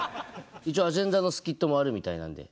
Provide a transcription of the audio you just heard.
一応アジェンダのスキットもあるみたいなんで。